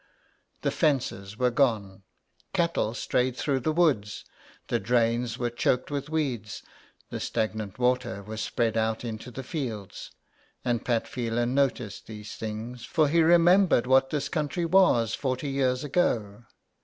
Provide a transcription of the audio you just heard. The fences were gone, cattle strayed through the woods, the drains were choked with weeds, the stagnant water was spreading out into the fields, and Pat Phelan noticed these things, for he remembered what this country was forty years ago.